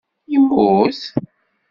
Immut?